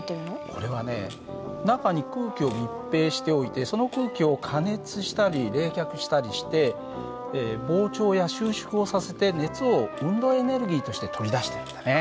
これはね中に空気を密閉しておいてその空気を加熱したり冷却したりして膨張や収縮をさせて熱を運動エネルギーとして取り出してるんだね。